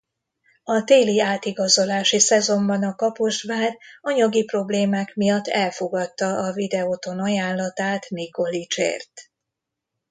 A téli átigazolási szezonban a Kaposvár anyagi problémák miatt elfogadta a Videoton ajánlatát Nikolicsért.